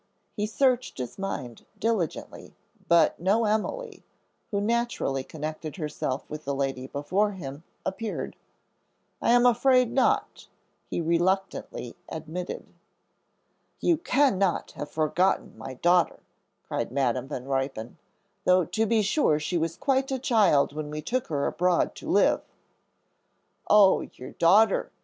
He searched his mind diligently, but no Emily, who naturally connected herself with the lady before him, appeared. "I am afraid not," he reluctantly admitted. "You cannot have forgotten my daughter," cried Madam Van Ruypen, "though to be sure she was quite a child when we took her abroad to live." "Oh, your daughter!"